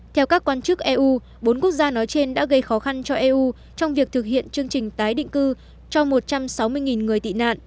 theo các quan chức eu bốn quốc gia nói trên đã gây khó khăn cho eu trong việc thực hiện chương trình tái định cư cho một trăm sáu mươi người tị nạn